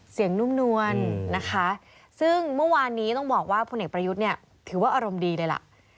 นุ่มนวลนะคะซึ่งเมื่อวานนี้ต้องบอกว่าพลเอกประยุทธ์เนี่ยถือว่าอารมณ์ดีเลยล่ะ